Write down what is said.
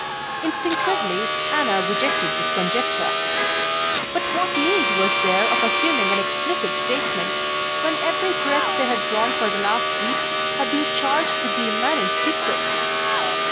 Instinctively, Anna rejected this conjecture. But what need was there of assuming an explicit statement, when every breath they had drawn for the last weeks had been charged with the immanent secret?